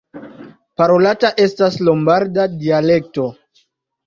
Parolata estas lombarda dialekto.